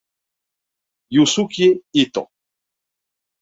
Yuzuki Ito